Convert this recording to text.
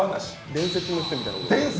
伝説の人みたいな。